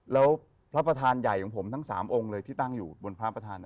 แล้วพระประธานใหญ่ของผมทั้ง๓องค์เลยที่ตั้งอยู่บนพระประธาน